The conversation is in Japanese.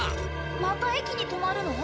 また駅に止まるの？